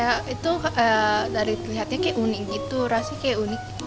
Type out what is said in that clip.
ya itu dari terlihatnya kayak unik gitu rasanya kayak unik